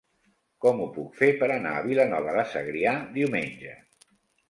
Com ho puc fer per anar a Vilanova de Segrià diumenge?